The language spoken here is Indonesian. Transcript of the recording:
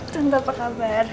tante apa kabar